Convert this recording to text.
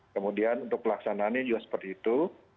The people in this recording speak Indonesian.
kemudian untuk pelaksanaannya juga seperti itu